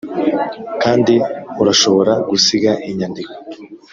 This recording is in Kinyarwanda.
kandi urashobora gusiga inyandiko